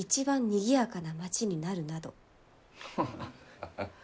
ハハハハ。